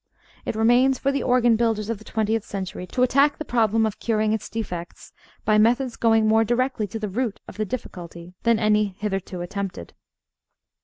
It remains for the organ builders of the twentieth century to attack the problem of curing its defects by methods going more directly to the root of the difficulty than any hitherto attempted.